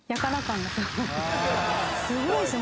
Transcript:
すごいですよ。